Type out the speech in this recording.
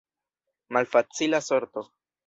Malfacila sorto.